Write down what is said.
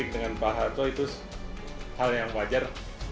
dengan pak harto itu hal yang wajar